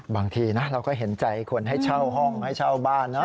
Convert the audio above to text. บางทีนะเราก็เห็นใจคนให้เช่าห้องให้เช่าบ้านนะ